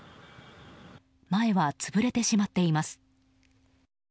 前はつぶれてしまっています。